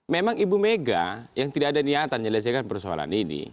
memang ibu mega yang tidak ada niatan menyelesaikan persoalan ini